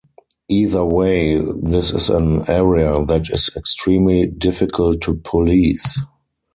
Either way, this is an area that is extremely difficult to police.